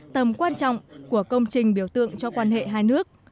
tầm quan trọng của công trình biểu tượng cho quan hệ hai nước